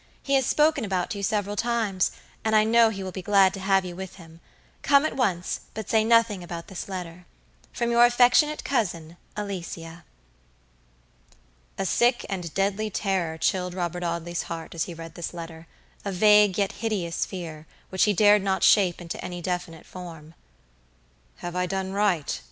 He has spoken about you several times; and I know he will be glad to have you with him. Come at once, but say nothing about this letter. "From your affectionate cousin, ALICIA." A sick and deadly terror chilled Robert Audley's heart, as he read this lettera vague yet hideous fear, which he dared not shape into any definite form. "Have I done right?"